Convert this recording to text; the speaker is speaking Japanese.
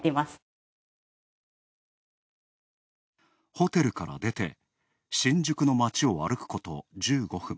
ホテルから出て新宿の街を歩くこと１５分。